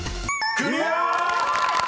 ［クリア！］